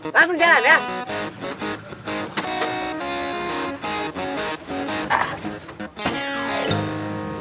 langsung jalan ya